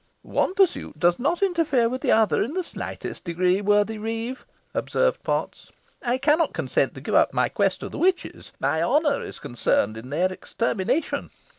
"One pursuit does not interfere with the other in the slightest degree, worthy reeve," observed Potts. "I cannot consent to give up my quest of the witches. My honour is concerned in their extermination.